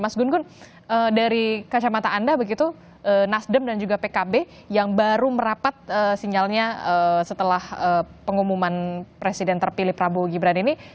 mas gun gun dari kacamata anda begitu nasdem dan juga pkb yang baru merapat sinyalnya setelah pengumuman presiden terpilih prabowo gibran ini